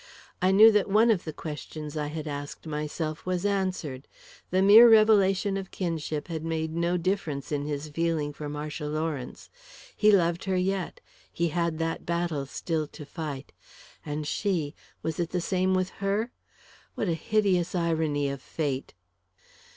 I knew that one of the questions I had asked myself was answered: the mere revelation of kinship had made no difference in his feeling for Marcia Lawrence. He loved her yet; he had that battle still to fight. And she was it the same with her? What a hideous irony of fate!